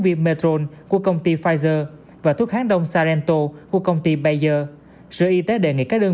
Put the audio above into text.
viêm medron của công ty pfizer và thuốc kháng đông sarento của công ty bayer sở y tế đề nghị các đơn